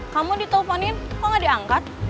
kamu diteleponin kok gak diangkat